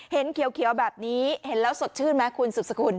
เห็นเขียวแบบนี้เห็นแล้วสดชื่นไหมคุณสุดสกุล